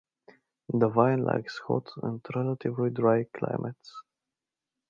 The vine likes hot and relatively dry climates.